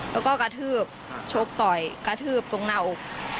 แล้วก็กระทืบชกต่อยกระทืบตรงหน้าอก